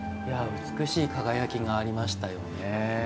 美しい輝きがありましたよね。